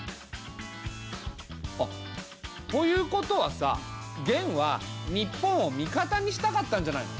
あっということはさ元は日本を味方にしたかったんじゃないの？